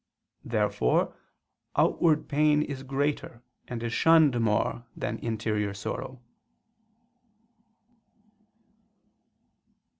Therefore outward pain is greater and is shunned more than interior sorrow.